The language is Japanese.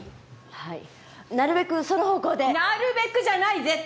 はいなるべくその方向でなるべくじゃない絶対！